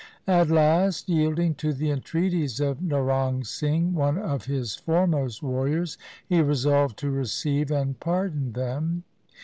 At last, yielding to the entreaties of Naurang Singh, one of his foremost warriors, he resolved to receive and pardon them.